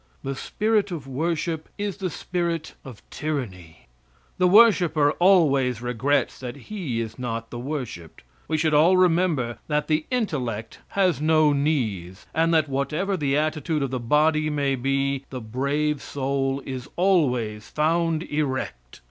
The spirit of worship is the spirit of tyranny. The worshiper always regrets that he is not the worshiped. We should all remember that the intellect has no knees, and that whatever the attitude of the body may be, the brave soul is always found erect.